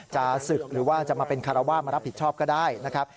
จะศึกหรือว่าจะมาเป็นคารวาสมารับผิดชอบก็ได้นะครับ